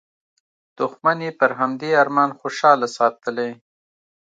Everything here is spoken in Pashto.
دوښمن یې پر همدې ارمان خوشحال ساتلی.